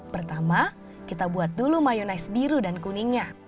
pertama kita buat dulu mayonaise biru dan kuningnya